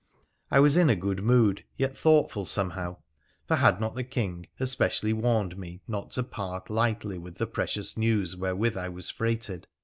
I was in a good mood, yet thoughtful somehow, for had not the King especially warned me not to part lightly with the precious news wherewith I was freighted